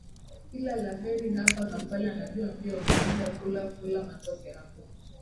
kila la heri hapa kampala najua ndio unaenda kula kula matoke hapo